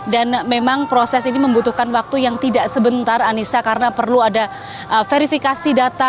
dan memang proses ini membutuhkan waktu yang tidak sebentar anissa karena perlu ada verifikasi data